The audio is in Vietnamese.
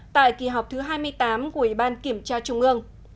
tại kỳ họp thứ hai mươi tám của ủy ban kiểm tra trung ương